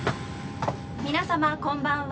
「皆様こんばんは」